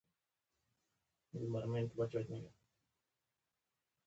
خوب د روح سکون دی